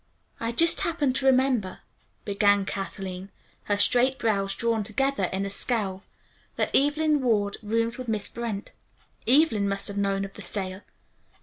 "I just happened to remember," began Kathleen, her straight brows drawn together in a scowl, "that Evelyn Ward rooms with Miss Brent. Evelyn must have known of the sale.